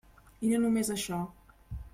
I no només això.